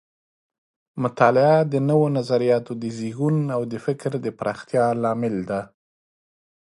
مطالعه د نوو نظریاتو د زیږون او د فکر د پراختیا لامل ده.